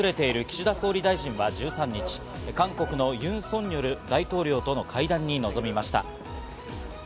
カンボジアを訪れている岸田総理大臣は１３日、韓国のユン・ソンニョル大統領との会談に臨みました。